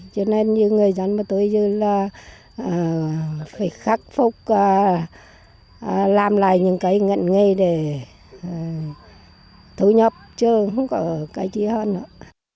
cho nên như người dân mà tôi là phải khắc phục làm lại những cái ngận nghề để thu nhập chứ không có cái gì hơn nữa